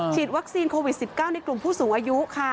ฉีดวัคซีนโควิด๑๙ต่อไปในกลุ่มผู้สูงอายุ